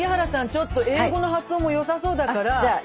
ちょっと英語の発音もよさそうだから。